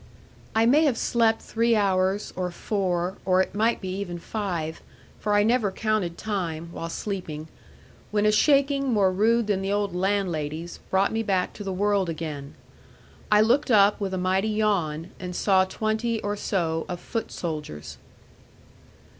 I may have slept three hours, or four, or it might be even five for I never counted time, while sleeping when a shaking more rude than the old landlady's, brought me back to the world again. I looked up, with a mighty yawn; and saw twenty, or so, of foot soldiers.